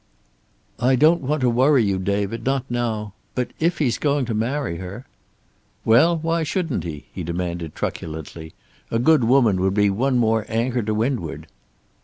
"I don't want to worry you, David. Not now. But if he's going to marry her " "Well, why shouldn't he?" he demanded truculently. "A good woman would be one more anchor to windward."